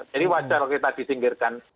jadi wajar kalau kita disinggirkan